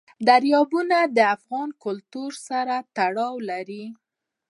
دریابونه د افغان کلتور سره تړاو لري.